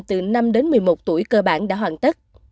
từ năm đến một mươi một tuổi cơ bản đã hoàn tất